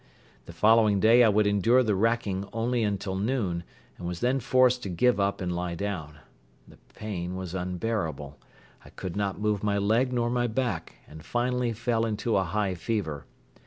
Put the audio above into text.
The following day I could endure the wracking only until noon and was then forced to give up and lie down. The pain was unbearable. I could not move my leg nor my back and finally fell into a high fever.